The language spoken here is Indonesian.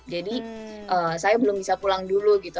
jadi saya belum bisa pulang dulu gitu